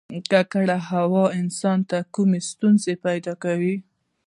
ککړه هوا انسان ته کومې ستونزې پیدا کوي